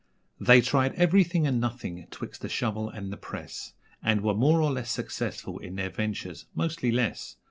They tried everything and nothing 'twixt the shovel and the press, And were more or less successful in their ventures mostly less.